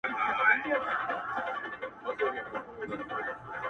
يوه خبره كـوم نــوري مــــي پـــه يـــاد كــــي نــــــــه دي.